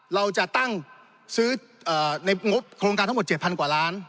เราจะตั้งซื้อในงบโครงการทั้งหมด๗๐๐กว่าล้าน